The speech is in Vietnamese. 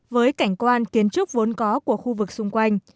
với cảnh quan kiến trúc vốn có của khu vực xung quanh